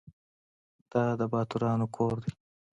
دا د باتورانو کور .